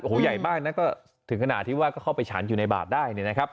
โอ้โหใหญ่มากนะก็ถึงขนาดที่ว่าก็เข้าไปฉันอยู่ในบาทได้เนี่ยนะครับ